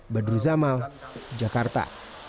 bedru zama jakarta